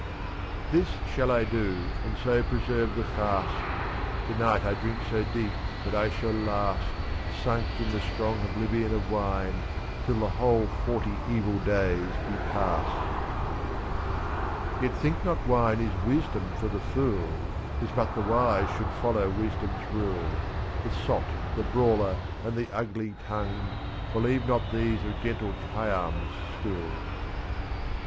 This shall I do, and so preserve the fast: To night I drink so deep that I shall last, 2s^ Sunk in the strong oblivion of wine. Till the whole forty evil days be passed. Yet think not wine is wisdom for the fool, 'Tis but the wise should follow wisdom's rule; SJyThe sot, the brawler, and the ugly tongued — Believe not these of gentle Khayyam's school.